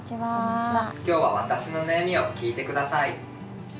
今日は私の悩みを聞いて下さい。